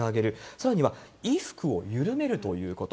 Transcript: さらには衣服を緩めるということ。